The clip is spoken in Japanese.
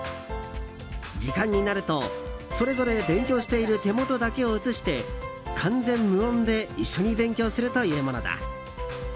時間になると、それぞれ勉強している手元だけを映して完全無音で一緒に勉強するというものだ。